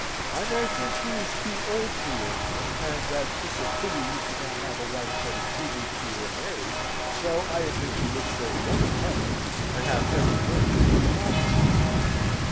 "I may think she is too old for your honour, and that 'tis a pity you should not have a wife better suited to your age, though I admit she looks very young for hers, and hath every virtue and accomplishment."